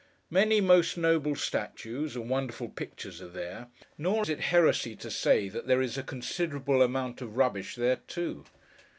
Many most noble statues, and wonderful pictures, are there; nor is it heresy to say that there is a considerable amount of rubbish there, too.